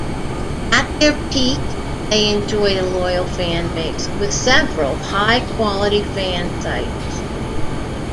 At their peak, they enjoyed a loyal fanbase, with several high-quality fansites.